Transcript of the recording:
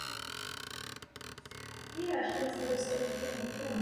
V jejím přízemí se nachází sakristie.